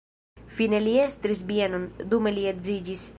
Fine li estris bienon, dume li edziĝis.